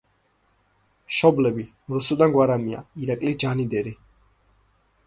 მშობლები: რუსუდან გვარამია, ირაკლი ჯანდიერი.